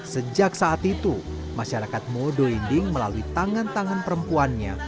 sejak saat itu masyarakat modo inding melalui tangan tangan perempuannya